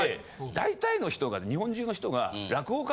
大体の人が日本中の人が。